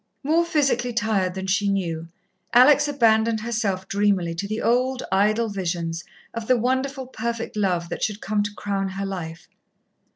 More physically tired than she knew, Alex abandoned herself dreamily to the old, idle visions of the wonderful, perfect love that should come to crown her life.